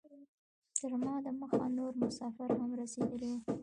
تر ما دمخه نور مسافر هم رسیدلي وو.